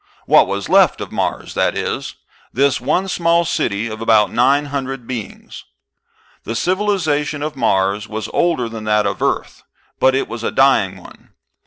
What was left of Mars, that is; this one small city of about nine hundred beings. The civilization of Mars was older than that of Earth, but it was a dying one.